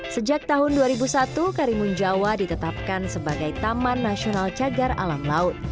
sejak tahun dua ribu satu karimun jawa ditetapkan sebagai taman nasional cina